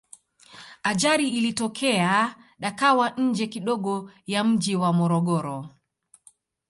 ajari ilitokea dakawa nje kidogo ya mji wa morogoro